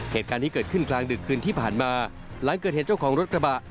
เหตุการณ์นี้เกิดขึ้นกลางดึกคืนที่ผ่านมาหลังเกิดเหตุเจ้าของรถกระบะ